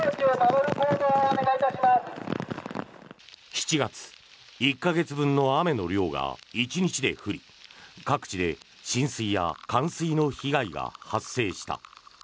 ７月１か月分の雨の量が１日で降り各地で浸水や冠水の被害が発生した。